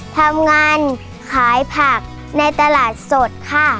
ทำงานขายผักในตลาดสดค่ะ